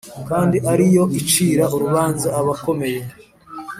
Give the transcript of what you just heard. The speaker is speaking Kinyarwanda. kandi ari yo icira urubanza abakomeye’